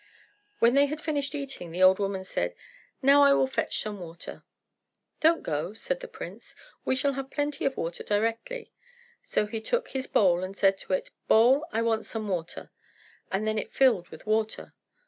When they had finished eating, the old woman said, "Now I will fetch some water." "Don't go," said the prince. "You shall have plenty of water directly." So he took his bowl and said to it, "Bowl, I want some water," and then it filled with water.